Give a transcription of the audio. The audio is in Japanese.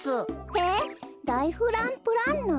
えっライフランプランナー？